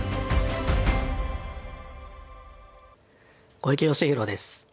小池芳弘です。